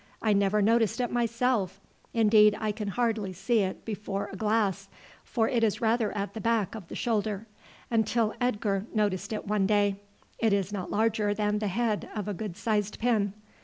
I never noticed it myself indeed I can hardly see it before a glass, for it is rather at the back of the shoulder until Edgar noticed it one day. It is not larger than the head of a good sized pin.